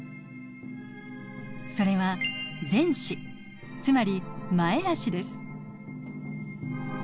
それは前肢つまり前あしです。